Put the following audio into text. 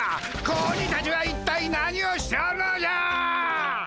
子鬼たちは一体何をしておるのじゃ！